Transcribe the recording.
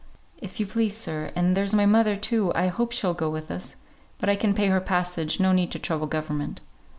"If you please, sir. And there's my mother, too. I hope she'll go with us. But I can pay her passage; no need to trouble government."